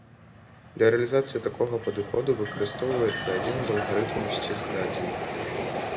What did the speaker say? Для рэалізацыі такога падыходу выкарыстоўваецца адзін з алгарытмаў сціск дадзеных.